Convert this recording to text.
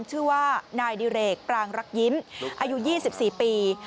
ชื่อว่านายดิเรกปรางรักยิ้มอายุ๒๔ปี